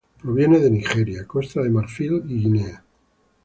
Provienen de Nigeria, Costa de Marfil, y Guinea.